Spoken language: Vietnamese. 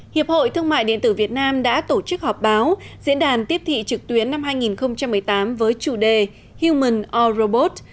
hiệp hội thương mại điện tử việt nam đã tổ chức họp báo diễn đàn tiếp thị trực tuyến năm hai nghìn một mươi tám với chủ đề human or robot